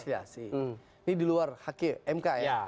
ini di luar mk